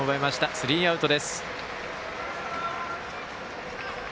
スリーアウトです。